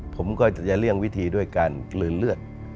ผมก็จะเลี่ยงวิธีด้วยการกลืนเลือด